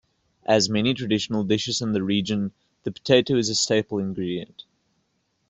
As many traditional dishes in the region the potato is a staple ingredient.